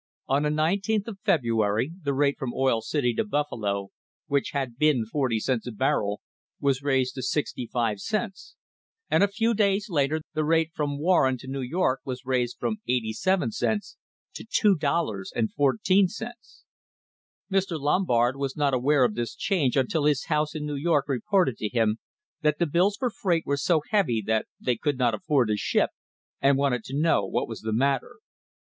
On the 19th of February the rate from Oil City to Buffalo, which had been forty cents a barrel, was raised to sixty five cents, and a few days later the rate from Warren to New York was raised from eighty seven cents to $2.14. Mr. Lombard was not aware of this change until his house in New York reported to him that the bills for freight were so heavy that they could not afford to ship and wanted to know what was the matter.